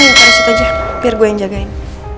lihat di situ aja biar gue yang jagain